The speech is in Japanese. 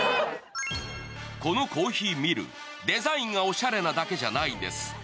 このコーヒーミル、デザインがおしゃれなだけじゃないんです。